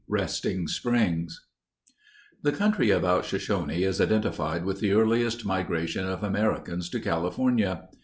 Resting Springs The country about Shoshone is identified with the earliest migration of Americans to California.